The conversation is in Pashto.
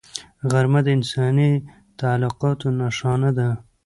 غرمه د انساني تعلقاتو نښانه ده